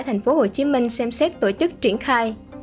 tp hcm xem xét tổ chức triển khai